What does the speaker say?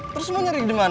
terus lo nyari dimana kang